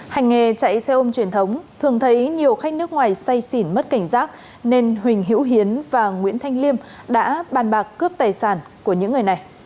hành nghề chạy xe ôm truyền thống thường thấy nhiều khách nước ngoài say xỉn mất cảnh giác nên huỳnh hữu hiến và nguyễn thanh liêm đã bàn bạc cướp tài sản của những người này